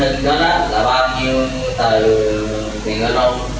đối tượng hưng có đáp là bao nhiêu tờ tiền euro